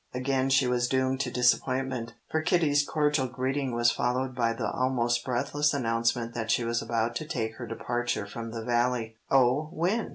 Again she was doomed to disappointment, for Kitty's cordial greeting was followed by the almost breathless announcement that she was about to take her departure from the Valley. "Oh, when?"